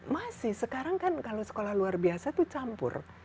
masih sekarang kan kalau sekolah luar biasa itu campur